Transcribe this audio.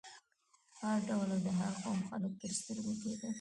هر ډول او د هر قوم خلک تر سترګو کېدل.